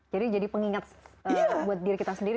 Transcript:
jadi jadi pengingat buat diri kita sendiri